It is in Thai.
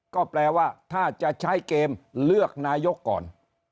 ก็แปลว่าถ้าจะใช้เกมเลือกนายกก่อน